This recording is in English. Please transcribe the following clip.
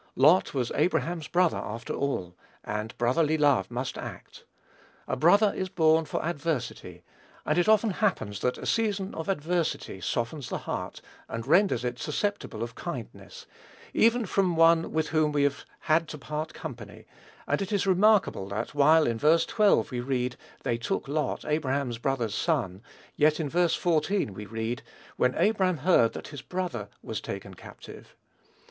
Lot was Abraham's brother, after all; and brotherly love must act. "A brother is born for adversity;" and it often happens that a season of adversity softens the heart, and renders it susceptible of kindness, even from one with whom we have had to part company; and it is remarkable that, while in verse 12 we read, "they took Lot, Abraham's brother's son," yet in verse 14 we read, "when Abram heard that his brother was taken captive."